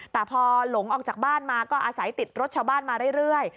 แต่พอหลงออกจากบ้านมาก็อาศัยติดรถชาวบ้านมาเรื่อย